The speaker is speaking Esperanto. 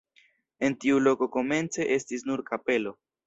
En tiu loko komence estis nur kapelo.